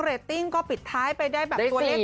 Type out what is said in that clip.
ตติ้งก็ปิดท้ายไปได้แบบตัวเลข